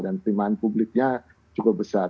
dan penerimaan publiknya cukup besar